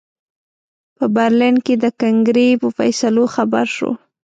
په برلین د کنګرې په فیصلو خبر شو.